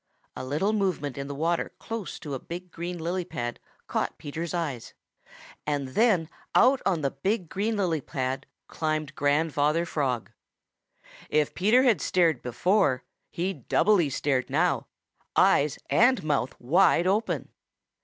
A little movement in the water close to a big green lily pad caught Peter's eyes, and then out on the big green lily pad climbed Grandfather Frog. If Peter had stared before he doubly stared now, eyes and mouth wide open.